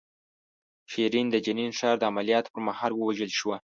شیرین د جنین ښار د عملیاتو پر مهال ووژل شوه.